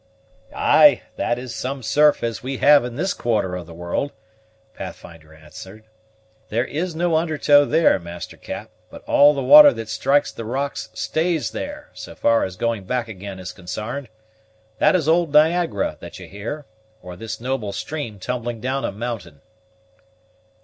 "Ay, that is such surf as we have in this quarter of the world," Pathfinder answered. "There is no under tow there, Master Cap; but all the water that strikes the rocks stays there, so far as going back again is consarned. That is old Niagara that you hear, or this noble stream tumbling down a mountain."